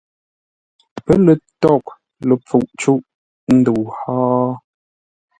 Pə́ lə tâghʼ ləpfuʼ cûʼ ndəu hó?